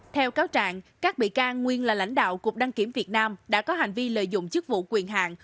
theo cáo trạng các bị can nguyên là lãnh đạo cục đăng kiểm việt nam đã có hành vi lợi dụng chức vụ quyền hạn